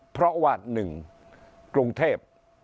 เพราะว่า๑กรุงเทพ